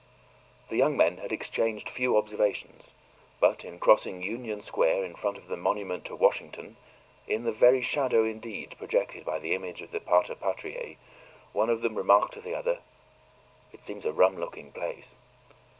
The young men had exchanged few observations; but in crossing Union Square, in front of the monument to Washington in the very shadow, indeed, projected by the image of the PATER PATRIAE one of them remarked to the other, "It seems a rum looking place."